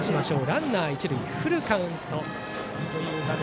ランナー一塁、フルカウント。